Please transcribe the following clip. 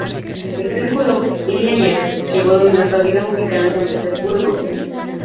El Círculo Beliáyev llegó a dominar la vida musical en San Petersburgo.